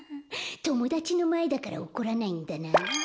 ともだちのまえだから怒らないんだな。